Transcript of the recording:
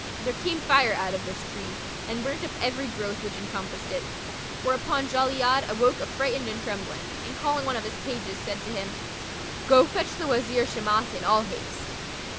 there came fire out of this tree and burnt up every growth which encompassed it; whereupon Jali'ad awoke affrighted and trembling, and calling one of his pages said to him, "Go fetch the Wazir Shimas in all haste."